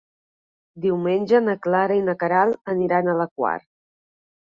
Diumenge na Clara i na Queralt aniran a la Quar.